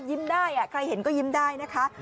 ได้ใครเห็นก็ยิ้มได้นะคะ